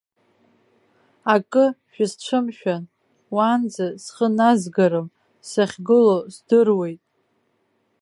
Акы шәысцәымшәан, уанӡа схы назгарым, сахьгылоу здыруеит!